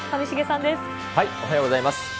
おはようございます。